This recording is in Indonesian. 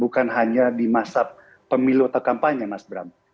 bukan hanya di masa pemilu atau kampanye mas bram